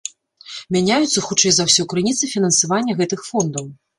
Мяняюцца, хутчэй за ўсё, крыніцы фінансавання гэтых фондаў.